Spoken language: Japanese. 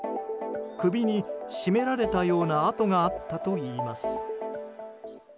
首に絞められたような痕があったといいます。